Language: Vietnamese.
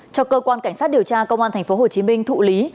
cho cơ quan cảnh sát điều tra công an tp hcm thụ lý